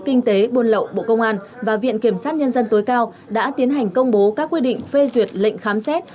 kinh tế buôn lậu bộ công an và viện kiểm sát nhân dân tối cao đã tiến hành công bố các quy định phê duyệt lệnh khám xét